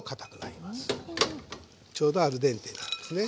ちょうどアルデンテになるんですね。